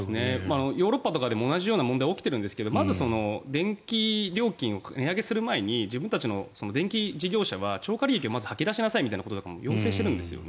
ヨーロッパとかでも同じような問題が起きてるんですけどまず電気料金を値上げする前に自分たちの電気事業者は超過利益をまず吐き出しなさいと要請してるんですね。